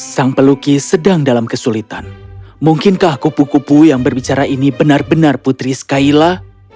sang peluki sedang dalam kesulitan mungkinkah kupu kupu yang berbicara ini benar benar putri skyla